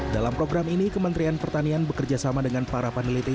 dalam program ini kementerian pertanian bekerjasama dengan para peneliti